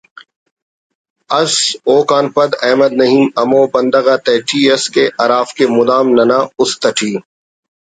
ئس اوکان پد احمد نعیم ہمو بندغ آتیٹی ئس کہ ہرافک مدام ننا است اٹی